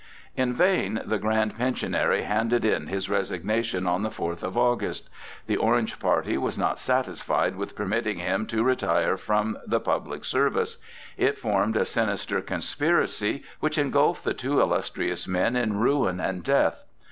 In vain the Grand Pensionary handed in his resignation on the fourth of August. The Orange party was not satisfied with permitting him to retire from the public service; it formed a sinister conspiracy which engulfed the two illustrious men in ruin and death.